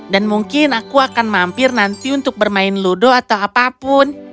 dan mungkin aku akan mampir nanti untuk bermain ludo atau apapun